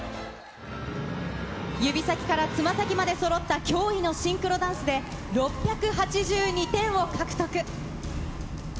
指先からつま先までそろった驚異のシンクロダンスで、６８２点を獲得。